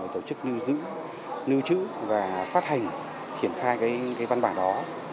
tổ chức lưu trữ và phát hành khiển khai cái văn bản đó